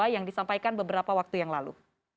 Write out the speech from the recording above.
yang disampaikan beberapa waktu yang lalu